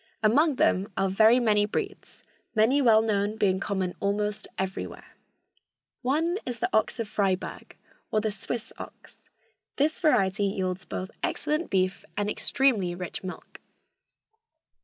Among them are very many breeds, many well known being common almost everywhere. One is the ox of Freiburg, or the Swiss ox. This variety yields both excellent beef and extremely rich milk.